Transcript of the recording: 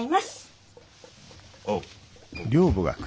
おう。